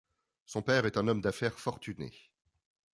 Son père est un homme d'affaires fortuné.